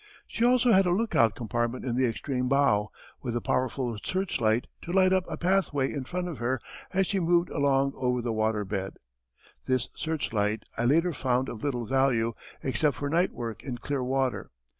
She also had a lookout compartment in the extreme bow, with a powerful searchlight to light up a pathway in front of her as she moved along over the waterbed. This searchlight I later found of little value except for night work in clear water.